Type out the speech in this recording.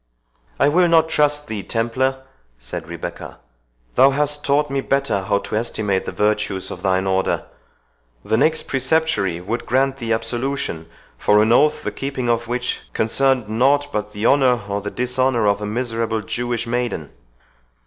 "I will not trust thee, Templar," said Rebecca; "thou hast taught me better how to estimate the virtues of thine Order. The next Preceptory would grant thee absolution for an oath, the keeping of which concerned nought but the honour or the dishonour of a miserable Jewish maiden."